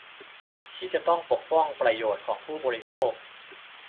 ที่จะต้องปกป้องประโยชน์ของผู้บริโภค